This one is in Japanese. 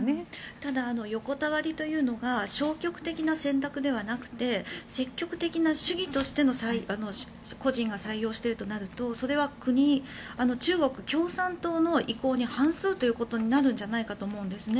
ただ、横たわりというのが消極的な選択ではなくて積極的な主義として個人が採用しているとなるとそれは国、中国共産党の意向に反するということになるんじゃないかと思うんです。